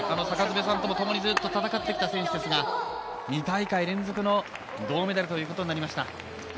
坂爪さんとも戦ってきた選手ですが２大会連続の銅メダルということになりました。